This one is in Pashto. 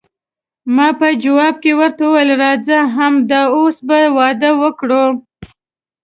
ما په جواب کې ورته وویل، راځه همد اوس به واده وکړو.